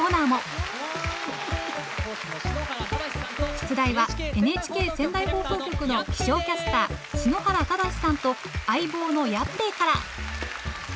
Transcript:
出題はＮＨＫ仙台放送局の気象キャスター篠原正さんと相棒のやっぺぇから。